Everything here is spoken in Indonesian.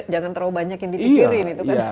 jangan terlalu banyak yang dipikirin